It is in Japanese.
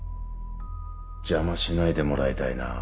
邪魔しないでもらいたいなぁ。